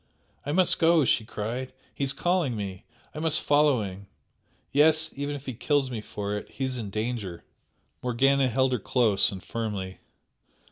"I must go!" she cried "He is calling me! I must follow him yes, even if he kills me for it he is in danger!" Morgana held her close and firmly.